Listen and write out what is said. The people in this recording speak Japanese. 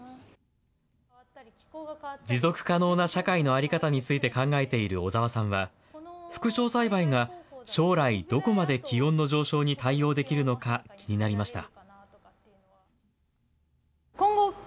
持続可能な社会の在り方について考えている小澤さんは、副梢栽培が将来、どこまで気温の上昇に対応できるのか気になりました。